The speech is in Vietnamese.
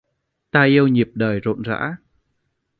Ta yêu nhịp đời rộn rã